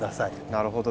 なるほど。